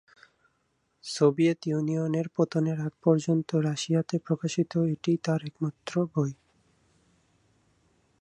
Soviet ইউনিয়নের পতনের আগ পর্যন্ত রাশিয়াতে প্রকাশিত এটিই তার একমাত্র বই।